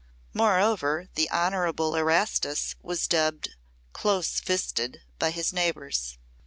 Moreover, the Honorable Erastus was dubbed "close fisted" by his neighbors.